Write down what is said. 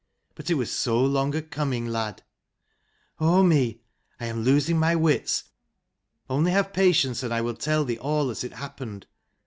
But it was so long a coming, lad !" Oh me, I am losing my wits. Only have patience, and I will tell thee all as it happened.